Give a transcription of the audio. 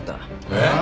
えっ！？